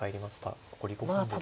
残り５分です。